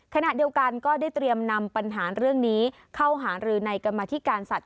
ขณะเดียวกันก็ได้เตรียมนำปัญหาเรื่องนี้เข้าหารือในกรรมธิการสัตว